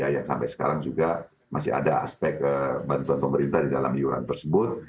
yang sampai sekarang juga masih ada aspek bantuan pemerintah di dalam iuran tersebut